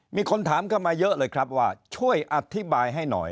มีคนถามเข้ามาเยอะเลยครับว่าช่วยอธิบายให้หน่อย